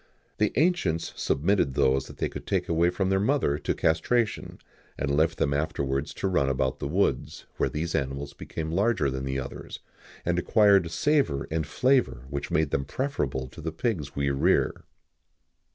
The ancients submitted those they could take away from their mother to castration, and left them afterwards to run about the woods, where these animals became larger than the others, and acquired a savour and flavour which made them preferable to the pigs we rear."